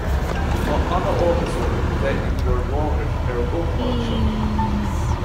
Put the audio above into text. Tá an-áthas orm a bheith in bhur láthair ar an ócáid seo